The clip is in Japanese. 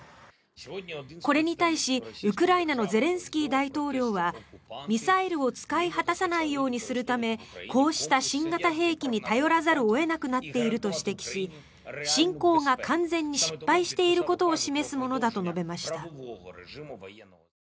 これに対しウクライナのゼレンスキー大統領はミサイルを使い果たさないようにするためこうした新型兵器に頼らざるを得なくなっていると指摘し侵攻が完全に失敗していることを示すものだと述べました。